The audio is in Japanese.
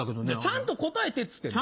ちゃんと答えてっつってんの。